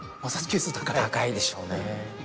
高いでしょうね。